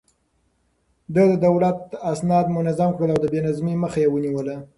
ده د دولت اسناد منظم کړل او د بې نظمۍ مخه يې ونيوله.